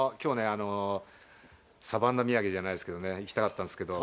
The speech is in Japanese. あのサバンナ土産じゃないですけどねいきたかったんですけど。